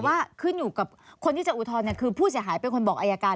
ว่าขึ้นอยู่กับคนที่จะอุทธรณ์คือผู้เสียหายเป็นคนบอกอายการ